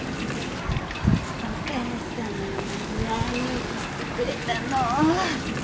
お母さん何送ってくれたの。